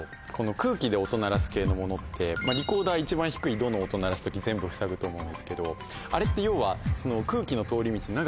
空気で音鳴らす系のものってリコーダー一番低い「ド」の音鳴らす時全部ふさぐと思うんですけどあれって要は。